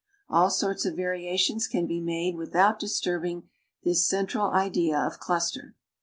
All sorts of ^•ariations can Ijc made with out disturbing this central idea of cluster.